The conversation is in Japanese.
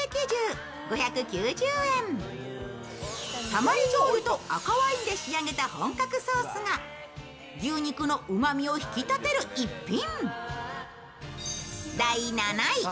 たまりじょうゆと赤ワインで仕立てた本格ソースが牛肉のうまみを引き立てる逸品。